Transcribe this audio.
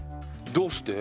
どうして？